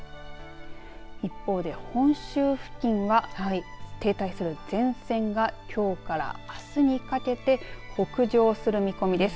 一方で、本州付近は停滞する前線がきょうからあすにかけて北上する見込みです。